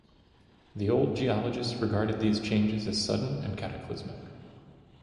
The old geologists regarded these changes as sudden and cataclysmic.